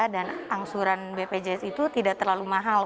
dan angsuran bpjs itu tidak terlalu mahal